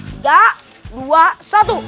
tiga dua satu